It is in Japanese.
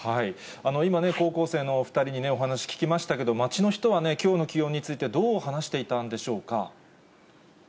今ね、高校生のお２人にお話聞きましたけど、街の人はきょうの気温について、どう話していたんでしょうか。